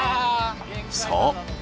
そう！